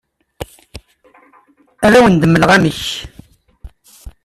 Ad awent-d-mleɣ amek.